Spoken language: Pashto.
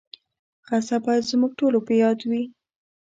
غزه باید زموږ ټولو په یاد وي.